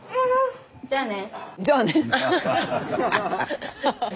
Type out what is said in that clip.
じゃあね。